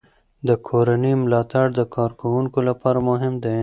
د کورنۍ ملاتړ د کارکوونکو لپاره مهم دی.